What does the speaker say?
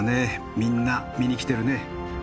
みんな見に来てるね。